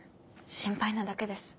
心配なだけです。